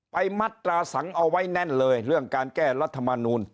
มัตราสังเอาไว้แน่นเลยเรื่องการแก้รัฐมนูล